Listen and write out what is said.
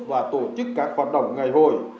và tổ chức các hoạt động ngày hồi